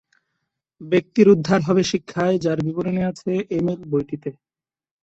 ব্যক্তির উদ্ধার হবে শিক্ষায়, যার বিবরণী আছে "এমিল" বইটিতে।